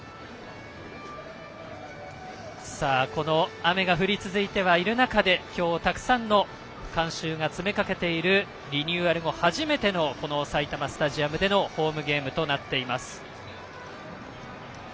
雨が降り続いている中で今日、たくさんの観衆が詰め掛けているリニューアル後初めての埼玉スタジアムでのホームゲームとなっています。